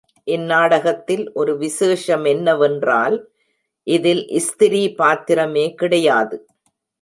இந் நாடகத்தில் ஒரு விசேஷமென்ன வென்றால், இதில் ஸ்திரீ பாத்திரமே கிடையாது!